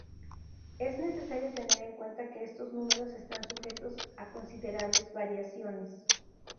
Es necesario tener en cuenta que estos números están sujetos a considerables variaciones.